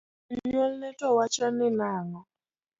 Jonyuolne to wachoni nang’o?